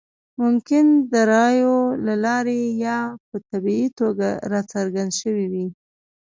ممکن د رایو له لارې یا په طبیعي توګه راڅرګند شوی وي.